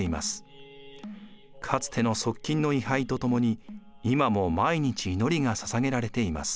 かつての側近の位はいとともに今も毎日祈りがささげられています。